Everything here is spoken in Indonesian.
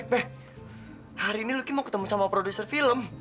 be hari ini lo mau ketemu sama produser film